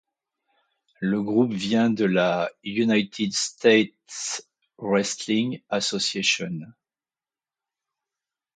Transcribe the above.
Le groupe vient de la United States Wrestling Association.